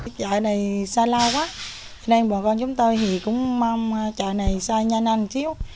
trại này xa lao quá nên bọn con chúng tôi cũng mong trại này xa nhanh hơn chút